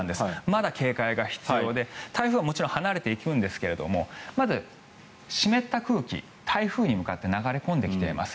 まだ警戒が必要で台風はもちろん離れていくんですがまず、湿った空気台風に向かって流れ込んできています。